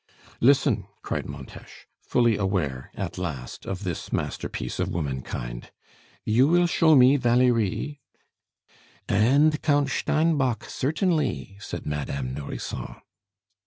"Listen!" cried Montes, fully aware at last of this masterpiece of womankind "you will show me Valerie " "And Count Steinbock. Certainly!" said Madame Nourrisson.